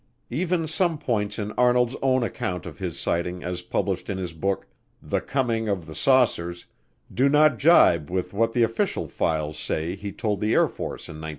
Even some points in Arnold's own account of his sighting as published in his book, The Coming of the Saucers, do not jibe with what the official files say he told the Air Force in 1947.